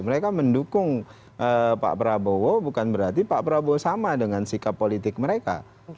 mereka mendukung pak prabowo bukan berarti pak prabowo sama dengan sikap politik mereka